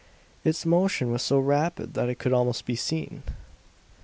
Its motion was so rapid that it could almost be seen.